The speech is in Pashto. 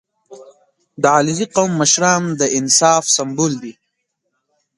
• د علیزي قوم مشران د انصاف سمبول دي.